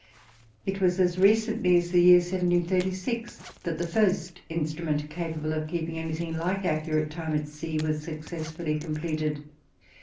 It was as recently as the year 1736 that the first instrument capable of keeping anything like accurate time at sea was successfully completed.